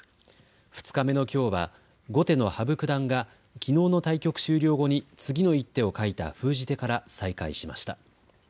２日目のきょうは後手の羽生九段がきのうの対局終了後に次の１手を書いた封じ手から再開しました。